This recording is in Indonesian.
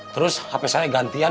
terus hp saya gantian